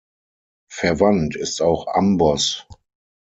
Verwandt ist auch Amboss.